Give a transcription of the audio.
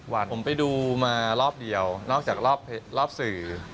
ผมไปดูมารอบเดียวนอกจากรอบสื่อ